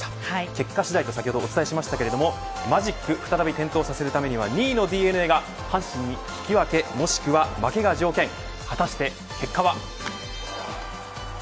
結果次第と先ほどお伝えしましたがマジックを再び点灯させるためには２位のＤｅＮＡが阪神に引き分けもしくは負けが条件果たして結果は。